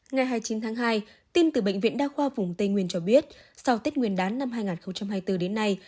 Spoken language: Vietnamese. ngày hai mươi chín tháng hai tin từ bệnh viện đa khoa vùng tây nguyên cho biết sau tết nguyên đán năm hai nghìn hai mươi bốn đến nay